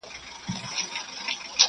زه پانوس غوندي بلېږم دا تیارې رڼا کومه -